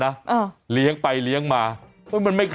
ให้ยังไงอย่างไรนี่